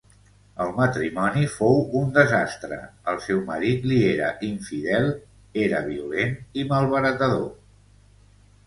El matrimoni fou un desastre, el seu marit li era infidel, era violent i malbaratador.